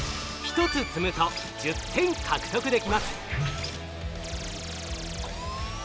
１つ積むと１０点獲得できます。